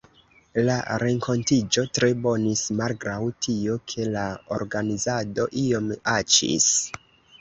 La renkontiĝo tre bonis, malgraŭ tio ke la organizado iom aĉis.